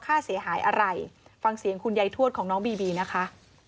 ค่าเสียหายอะไรฟังเสียงคุณยายทวดของน้องบีบีนะคะ